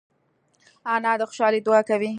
انا د خوشحالۍ دعا کوي